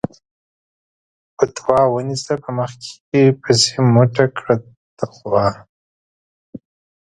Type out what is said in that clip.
فَتوا ونيسه په مخ کې پسې مٔټه کړه تقوا